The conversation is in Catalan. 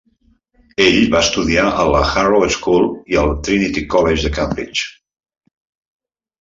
Ell va estudiar a la Harrow School i al Trinity College de Cambridge.